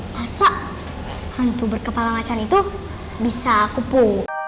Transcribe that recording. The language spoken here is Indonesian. masak hantu berkepala macan itu bisa kupu